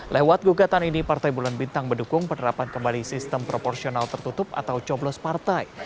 lewat gugatan ini partai bulan bintang mendukung penerapan kembali sistem proporsional tertutup atau coblos partai